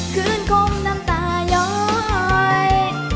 คืนคงน้ำตาย้อย